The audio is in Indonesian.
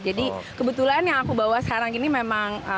jadi kebetulan yang aku bawa sekarang ini memang